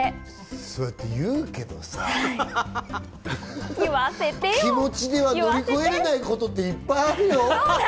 そうやって言うけどさ、気持ちでは乗りこえられないことっていっぱいあるよ。